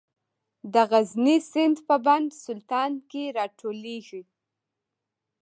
د غزني سیند په بند سلطان کې راټولیږي